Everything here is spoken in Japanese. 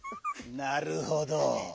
なるほど。